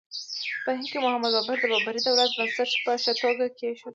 په هند کې محمد بابر د بابري دولت بنسټ په ښه توګه کېښود.